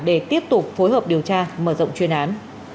để tiếp tục phối hợp điều tra mở rộng chuyên án